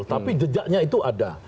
tapi jejaknya itu ada